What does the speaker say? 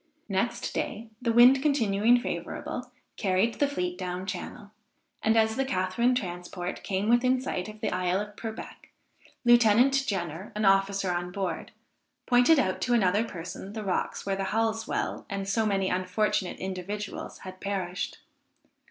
Next day, the wind continuing favorable, carried the fleet down channel; and as the Catharine transport came within sight of the isle of Purbeck, Lieutenant Jenner, an officer on board, pointed out to another person, the rocks where the Halsewell and so many unfortunate individuals had perished.